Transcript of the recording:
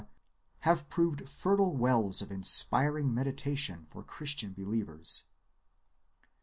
have proved fertile wells of inspiring meditation for Christian believers.